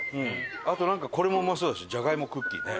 あとなんかこれもうまそうだしじゃがいもクッキーね。